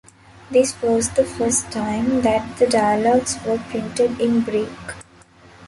This was the first time that the Dialogues were printed in Greek.